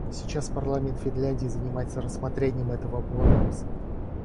Сейчас парламент Финляндии занимается рассмотрением этого вопроса.